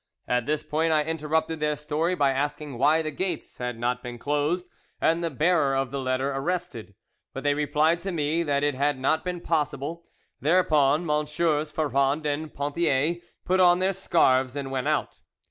At this point I interrupted their story by asking why the gates had not been closed and the bearer of the letter arrested, but they replied to me that it had not been possible; thereupon MM. Ferrand and Ponthier put on their scarfs and went out.